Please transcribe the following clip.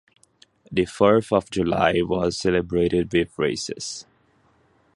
The Fourth of July was celebrated with races.